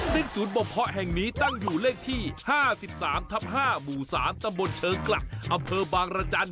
ซึ่งศูนย์บ่มเพาะแห่งนี้ตั้งอยู่เลขที่๕๓ทับ๕หมู่๓ตำบลเชิงกลักอำเภอบางรจันทร์